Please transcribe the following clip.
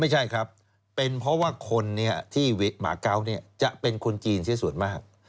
ไม่ใช่ครับเป็นเพราะว่าคนที่เวกัสีมาเกาะเนี่ยจะเป็นคนจีนสุดมาก